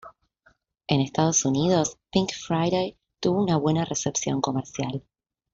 En Estados Unidos, "Pink Friday" tuvo una buena recepción comercial.